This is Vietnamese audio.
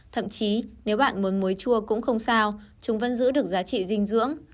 thậm chí nếu bạn muốn muối chua cũng không sao chúng vẫn giữ được giá trị dinh dưỡng